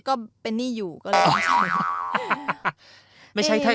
ก็เป็นหนี้อยู่ก็เลยไม่ใช่